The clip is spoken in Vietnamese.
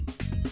thôi đầy đủ